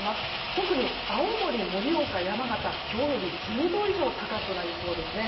特に青森、盛岡、山形は今日より１０度以上も高くなりそうです。